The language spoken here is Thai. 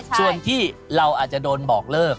ส่วนที่เราอาจจะโดนบอกเลิก